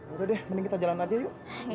udah deh mending kita jalan aja yuk